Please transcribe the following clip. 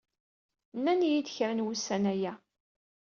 Nnan-iyi-d kra n wussan aya.